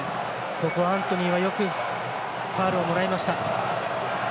ここはアントニーはよくファウルをもらいました。